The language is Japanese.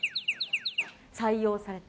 採用された。